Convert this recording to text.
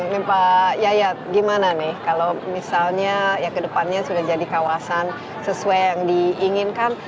mbak yayat gimana nih kalau misalnya ya ke depannya sudah jadi kawasan sesuai yang diinginkan